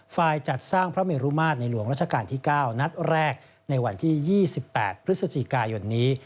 ฝ่ายจัดสร้างพระเมรุมาตรในหลวงราชการที่๙นัดแรกในวันที่๒๘พฤศจิกายนนี้